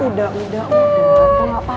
udah udah gak apa apa